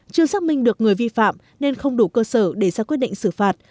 chưa xác minh được người vi phạm nên không đủ cơ sở để ra quyết định xử phạt